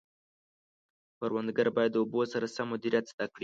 کروندګر باید د اوبو سم مدیریت زده کړي.